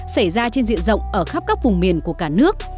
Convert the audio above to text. xảy ra trên diện rộng ở khắp các vùng miền của cả nước